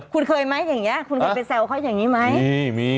คุณเคยไหมอย่างนี้คุณเคยไปแซวเขาอย่างนี้ไหม